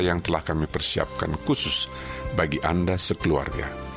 yang telah kami persiapkan khusus bagi anda sekeluarga